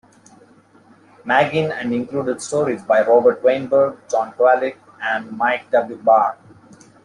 Maggin and included stories by Robert Weinberg, John Kovalic, and Mike W. Barr.